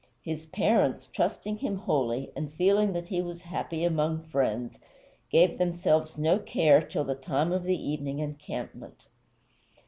His parents, trusting him wholly, and feeling that he was happy among friends, gave themselves no care till the time of the evening encampment.